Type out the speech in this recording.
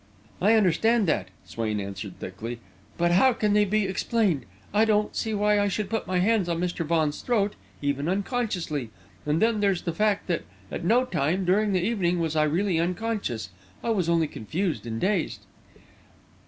"I understand that," Swain answered thickly; "but how can they be explained? I don't see why I should put my hands on Mr. Vaughan's throat, even unconsciously. And then there's the fact that at no time during the evening was I really unconscious I was only confused and dazed."